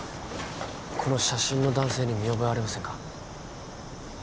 この写真の男性に見覚えありませんか？